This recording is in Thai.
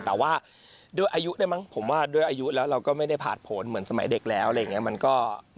แต่ว่าด้วยอายุได้มั้งผมว่าด้วยอายุแล้วเราก็ไม่ได้ผ่านผลเหมือนสมัยเด็กแล้วอะไรอย่างนี้